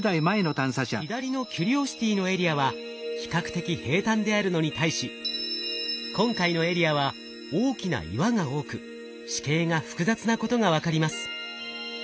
左のキュリオシティのエリアは比較的平たんであるのに対し今回のエリアは大きな岩が多く地形が複雑なことが分かります。